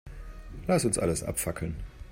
Lass uns alles abfackeln.